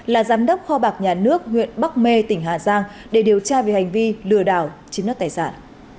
là giám đốc kho bạc nhà nước huyện bắc mê tỉnh hà giang để điều tra về hành vi lừa đảo chiếm đất tài sản